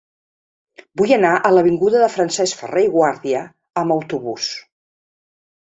Vull anar a l'avinguda de Francesc Ferrer i Guàrdia amb autobús.